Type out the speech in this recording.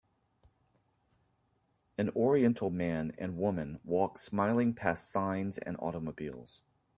An oriental man and woman walk smiling past signs and automobiles